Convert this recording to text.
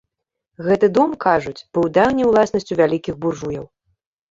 Гэты дом, кажуць, быў даўней уласнасцю вялікіх буржуяў.